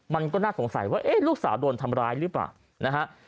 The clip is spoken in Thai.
มันก็น่าสงสัยว่าเอ๊ะลูกสาวโดนทำร้ายหรือเปล่านะฮะ